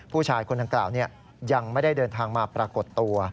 ผู้ชายคนดังกล่าวยังไม่ได้เดินทางมาปรากฏตัว